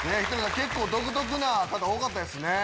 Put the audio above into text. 結構独特な方多かったですね。